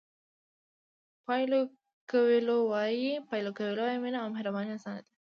پایلو کویلو وایي مینه او مهرباني اسانه ده.